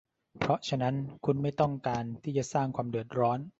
เพราะฉะนั้น คุณไม่ต้องการที่จะสร้างความเดือดร้อน